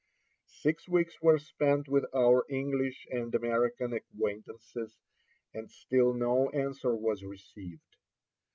Six weeks were spent with our English and American acquaintances, and still no answer was received.